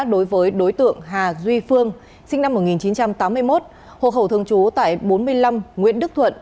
đối với đối tượng hà duy phương sinh năm một nghìn chín trăm tám mươi một hộ khẩu thường trú tại bốn mươi năm nguyễn đức thuận